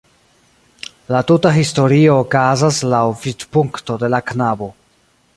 La tuta historio okazas laŭ vidpunkto de la knabo.